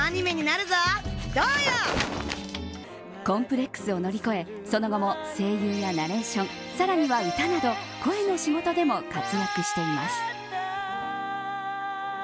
コンプレックスを乗り越え今後も声優やナレーションさらには、歌など声の仕事でも活躍しています。